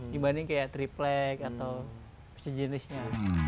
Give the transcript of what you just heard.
dibanding kayak triplek atau sejenisnya